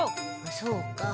そうか。